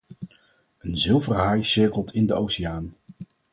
Een zilveren haai cirkelt in de oceaan.